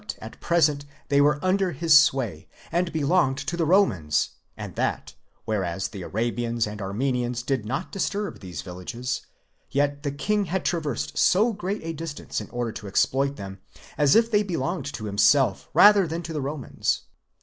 at present they were under his sway, and belonged to the Romans, and that, whereas the Arabians and Armenians did not disturb these villages, yet. the king had traversed so great a distance in order to exploit them, as if they belonged to himself, rather than to the Romans.